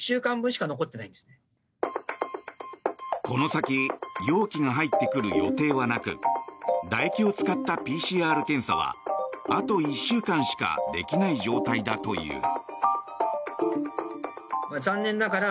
この先容器が入ってくる予定はなくだ液を使ったＰＣＲ検査はあと１週間しかできない状態だという。